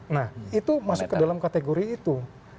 nah itu masuk ke dalam kategori itu